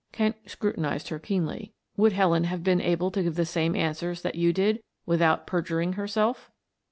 Kent scrutinized her keenly. "Would Helen have been able to give the same answers that you did without perjuring herself?"